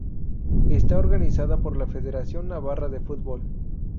Está organizada por la Federación Navarra de Fútbol.